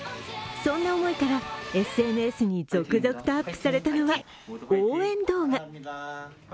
そんな思いから、ＳＮＳに続々とアップされたのは応援動画。